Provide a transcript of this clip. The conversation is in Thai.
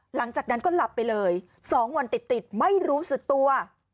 หลังจากนั้นก็หลับไปเลย๒วันติดไม่รู้สึกตัว